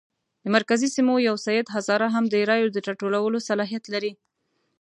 د مرکزي سیمو یو سید هزاره هم د رایو د راټولولو صلاحیت لري.